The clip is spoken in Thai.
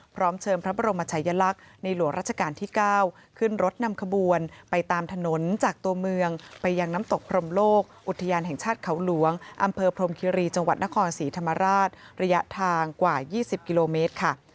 พร้อมเชิญพระบรมชายลักษณ์ในหลวงราชการที่๙ขึ้นรถนำขบวนไปตามถนนจากตัวเมืองไปยังน้ำตกพรมโลกอุทยานแห่งชาติเขาหลวงอำเภอพรมคิรีจังหวัดนครศรีธรรมราชระยะทางกว่า๒๐กิโลเมตรค่ะ